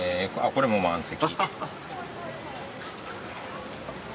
これも満席。